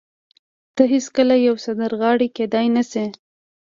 ته هېڅکله يوه سندرغاړې کېدای نه شې.